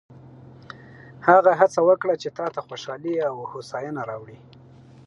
هغه هڅه وکړه چې تا ته خوشحالي او هوساینه راوړي.